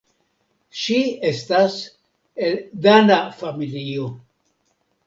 Ŝi estas el dana familio.